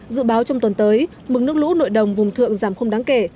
dự báo trong tuần tới mực nước lũ nội đồng vùng thượng giảm không đáng kể